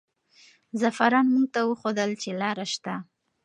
زعفران موږ ته وښودل چې لاره شته.